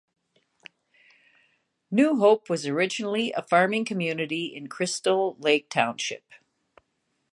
New Hope was originally a farming community in Crystal Lake Township.